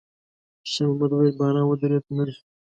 شېرمحمد وويل: «باران ودرېد، نه ځو؟»